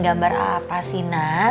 gambar apa sih nak